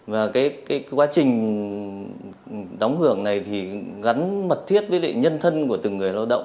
và quá trình đóng hưởng này gắn mật thiết với nhân thân của từng người lao động